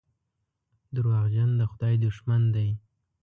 دروغجن د خدای دښمن دی.